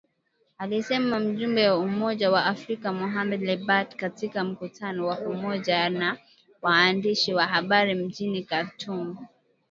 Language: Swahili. Alisema mjumbe wa Umoja wa Afrika, Mohamed Lebatt katika mkutano wa pamoja na waandishi wa habari mjini Khartoum.